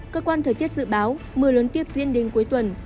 cơ quan thời tiết dự báo mưa lớn tiếp diễn đến cuối tuần